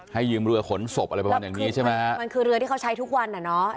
ให้ยืมเรือขนศพอะไรประมาณอย่างนี้ใช่ไหมฮะมันคือเรือที่เขาใช้ทุกวันอ่ะเนอะ